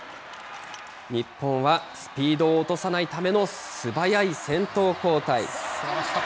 日本はスピードを落とさないための素早い先頭交代。